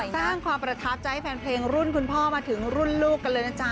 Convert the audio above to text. สร้างความประทับใจให้แฟนเพลงรุ่นคุณพ่อมาถึงรุ่นลูกกันเลยนะจ๊